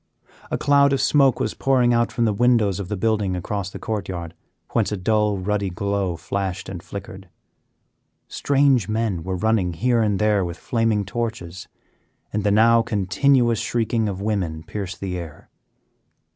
A cloud of smoke was pouring out from the windows of the building across the court yard, whence a dull ruddy glow flashed and flickered. Strange men were running here and there with flaming torches, and the now continuous shrieking of women pierced the air.